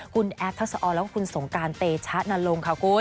คุณแอฟทักษะออนแล้วก็คุณสงการเตชะนรงค์ค่ะคุณ